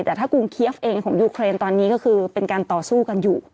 แต่ถ้ากรุงเคียฟเองของยูเครนตอนนี้ก็คือเป็นการต่อสู้กันอยู่